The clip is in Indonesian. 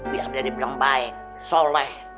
biar dibilang baik soleh